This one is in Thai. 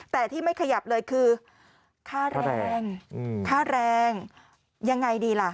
แต่ที่ไม่ขยับเลยคือค่าแรงค่าแรงยังไงดีล่ะ